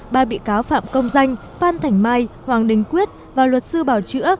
ba bị cáo phạm công danh phan thành mai hoàng đình quyết và luật sư bảo chữa